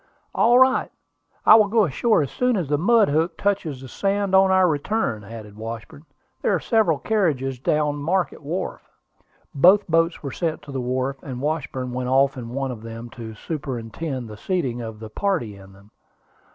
"All right; and I will go ashore as soon as the mudhook touches the sand on our return," added Washburn. "There are several carriages coming down Market Wharf." Both boats were sent to the wharf, and Washburn went off in one of them to superintend the seating of the party in them.